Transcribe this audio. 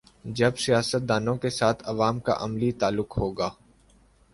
جب سیاست دانوں کے ساتھ عوام کا عملی تعلق ہو گا۔